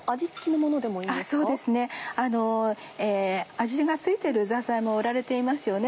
味が付いてるザーサイも売られていますよね。